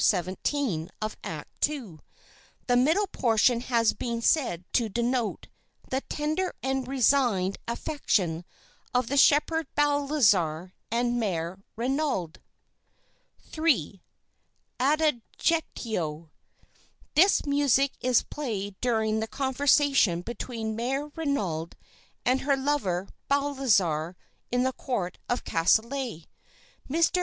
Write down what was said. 17 of Act II. The middle portion has been said to denote "the tender and resigned affection of the Shepherd Balthazar and Mère Renaud." III. ADAGIETTO This music is played during the conversation between Mère Renaud and her lover Balthazar in the Court of Castelet. Mr.